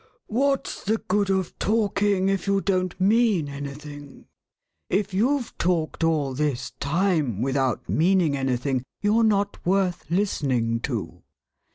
What's the good of talking if you don't mean anything .f^ . If you've talked all this time without meaning anything you're not worth listening to."